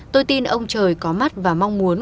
tôi tin ông trời có mắt và mong muốn